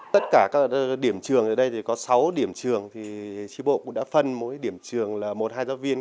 tất cả các điểm trường ở đây có sáu điểm trường thì tri bộ cũng đã phân mỗi điểm trường là một hai giáo viên